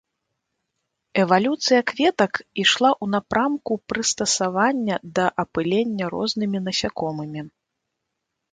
Эвалюцыя кветак ішла ў напрамку прыстасавання да апылення рознымі насякомымі.